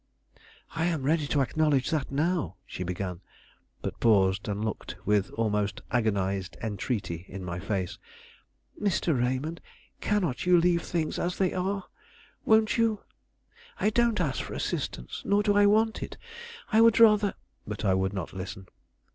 "I am ready to acknowledge that now," she began, but paused and looked with almost agonized entreaty in my face. "Mr. Raymond, cannot you leave things as they are? Won't you? I don't ask for assistance, nor do I want it; I would rather " But I would not listen.